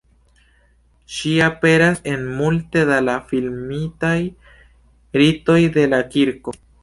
Ŝi aperas en multe da la filmitaj ritoj de la Kirko.